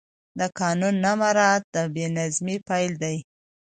د قانون نه مراعت د بې نظمۍ پیل دی